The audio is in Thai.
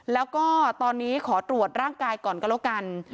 แล้วก็ตอนนี้ขอตรวจร่างกายก่อนก็แล้วกัน